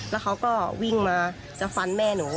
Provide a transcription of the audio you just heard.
แล้วเขาก็วิ่งมาจะฟันแม่หนู